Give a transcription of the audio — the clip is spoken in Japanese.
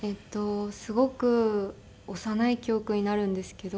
すごく幼い記憶になるんですけど。